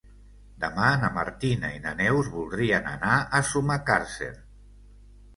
Demà na Martina i na Neus voldrien anar a Sumacàrcer.